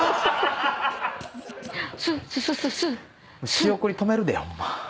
仕送り止めるでホンマ。